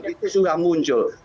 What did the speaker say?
itu sudah muncul